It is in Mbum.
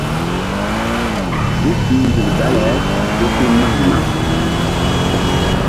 Hul i nzuk dale ke si mak mak.